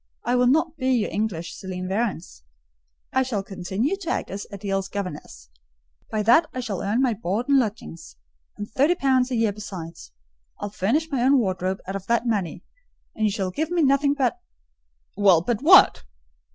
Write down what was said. I will not be your English Céline Varens. I shall continue to act as Adèle's governess; by that I shall earn my board and lodging, and thirty pounds a year besides. I'll furnish my own wardrobe out of that money, and you shall give me nothing but—" "Well, but what?"